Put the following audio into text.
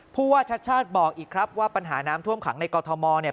ผู้ว่าชาติชาติบอกอีกครับว่าปัญหาน้ำท่วมขังในกรทมเนี่ย